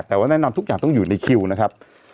แต่ว่าแนะนำทุกอย่างต้องอยู่ในคิวนะครับ